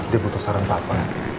dia butuh saran papa